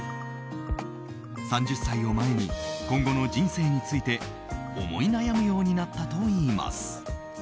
３０歳を前に今後の人生について思い悩むようになったといいます。